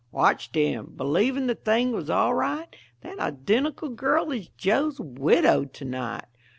Watched him, believing the thing was all right That identical girl is Joe's widow to night.